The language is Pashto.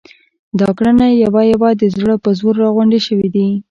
دا ګړنی یوه یوه د زړه په زور را غونډې شوې دي.